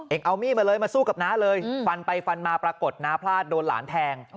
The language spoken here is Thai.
เอามีดมาเลยมาสู้กับน้าเลยฟันไปฟันมาปรากฏน้าพลาดโดนหลานแทง